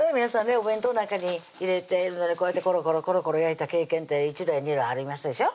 お弁当なんかに入れてこうやってコロコロ焼いた経験って一度や二度ありますでしょ